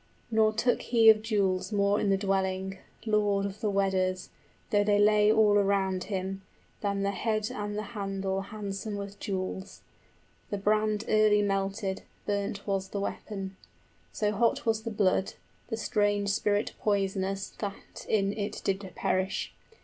Nor took he of jewels more in the dwelling, 55 Lord of the Weders, though they lay all around him, Than the head and the handle handsome with jewels; The brand early melted, burnt was the weapon: So hot was the blood, the strange spirit poisonous {The hero swims back to the realms of day.} That in it did perish.